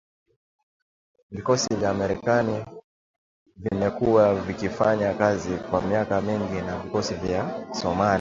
Vikosi vya Marekani vimekuwa vikifanya kazi kwa miaka mingi na vikosi vya Somalia